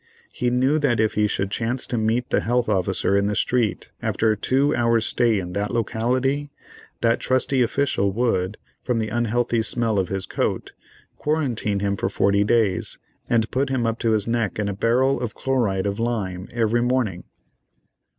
He knew that if he should chance to meet the Health Officer in the street after a two hours' stay in that locality, that trusty official would, from the unhealthy smell of his coat, quarantine him for forty days, and put him up to his neck in a barrel of chloride of lime every morning.